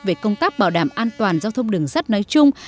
về công tác bảo đảm an toàn giao thông đường sắt nói chung